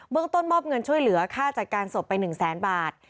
เบื้องต้นมอบเงินช่วยเหลือค่าจัดการศพไป๑๐๐๐๐๐บาท